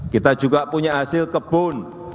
kita juga punya hasil kebun